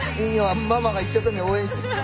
ママが一生懸命応援してる。